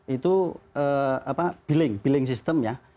itu billing system ya